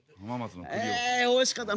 ええおいしかった。